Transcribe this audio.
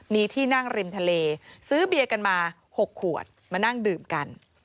มีที่นั่งริมทะเลซื้อเบียร์กันมา๖ขวดมานั่งดื่มกัน